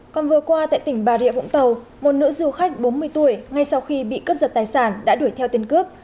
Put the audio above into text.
còn vừa qua tại tỉnh bà rịa vũng tàu một nữ du khách bốn mươi tuổi ngay sau khi bị cướp giật tài sản đã đuổi theo tên cướp